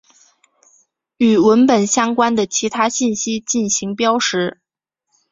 与文本相关的其他信息进行标识。